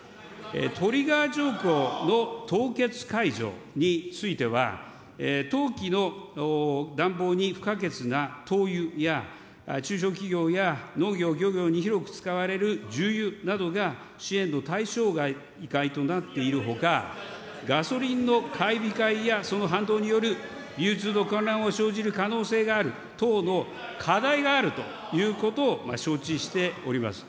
トリガー条項の凍結解除については、冬期の暖房に不可欠な灯油や中小企業や農業、漁業に広く使われる重油などが支援の対象外となっているほか、ガソリンの買い控えや、その反動による流通の混乱を生じる可能性がある等の課題があるということを承知しております。